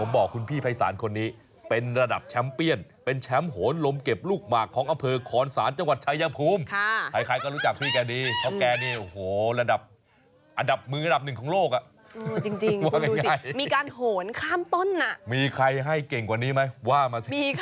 มีใครให้มากกว่านี้ไหม